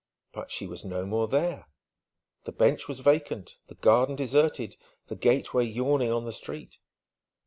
But she was no more there: the bench was vacant, the garden deserted, the gateway yawning on the street.